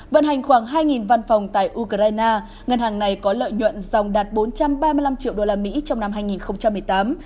vận hành khoảng hai văn phòng tại ukraine ngân hàng này có lợi nhuận dòng đạt bốn trăm ba mươi năm triệu usd trong năm hai nghìn một mươi tám